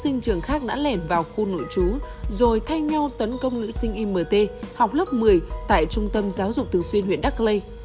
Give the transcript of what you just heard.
người khác đã lẻn vào khu nội trú rồi thay nhau tấn công nữ sinh imt học lớp một mươi tại trung tâm giáo dục thường xuyên huyện đắk lê